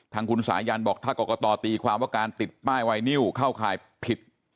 ทางคุณสายันบอกถ้ากรกตตีความว่าการติดป้ายไวนิวเข้าข่ายผิด